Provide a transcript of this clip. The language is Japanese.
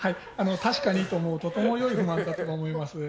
確かにとても良い不満だと思います。